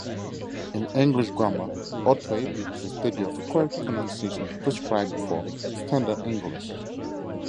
In English grammar, orthoepy is the study of correct pronunciation prescribed for Standard English.